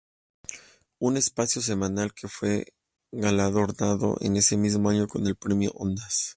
Un espacio semanal que fue galardonado, en ese mismo año, con el Premio Ondas.